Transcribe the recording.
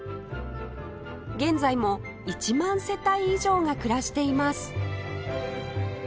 現在も１万世帯以上が暮らしています